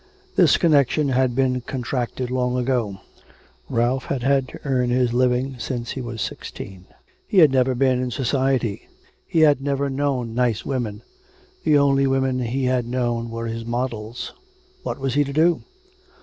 This connection had been contracted long ago. ... Ralph had had to earn his living since he was sixteen he had never been in society; he had never known nice women: the only women he had known were his models; what was he to do?